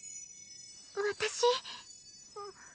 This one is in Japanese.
私。